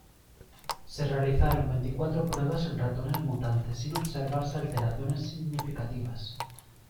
Se realizaron veinticuatro pruebas en ratones mutantes sin observarse alteraciones significativas.